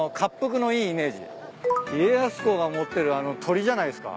家康公が持ってるあの鳥じゃないっすか？